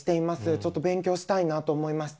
ちょっと勉強したいなと思いまして。